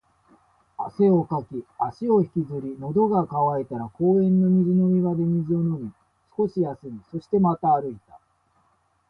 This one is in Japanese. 汗をかき、足を引きずり、喉が渇いたら公園の水飲み場で水を飲み、少し休み、そしてまた歩いた